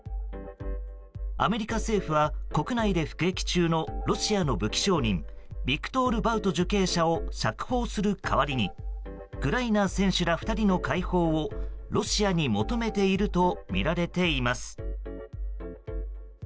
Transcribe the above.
アメリカ政府は国内で服役中のロシアの武器商人ビクトール・バウト受刑者を釈放する代わりにグライナー選手ら２人の解放をロシアに求めているとみられています。